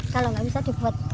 kalau enggak bisa dibuat